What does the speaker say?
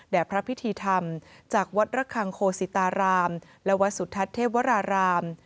พระพิธีธรรมจากวัดระคังโคสิตารามและวัดสุทัศน์เทพวราราม